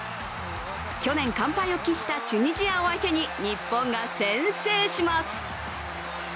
去年、完敗を喫したチュニジアを相手に日本が先制します。